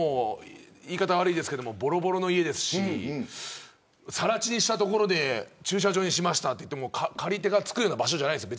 言い方悪いですがぼろぼろの家ですしさら地にしたところで駐車場にしました、といっても借り手がつくような場所じゃないです。